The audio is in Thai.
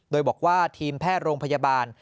โดยบอกว่าทีมแพทย์โรงพยาบาล